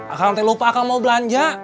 akang tak lupa akan mau belanja